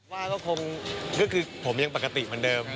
ว่าก็คงก็คือผมยังปกติเหมือนเดิม